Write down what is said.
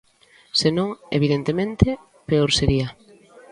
Se non, evidentemente, peor sería.